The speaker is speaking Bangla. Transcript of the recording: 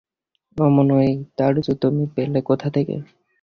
এমন ঔদার্য তুমি পেলে কোথা থেকে!